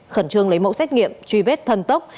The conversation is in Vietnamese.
khẩn trương lấy mẫu xét nghiệm truy vết thần tốc